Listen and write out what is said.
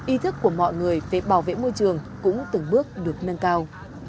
ý thức của mọi người về bảo vệ môi trường cũng từng bước được nâng cao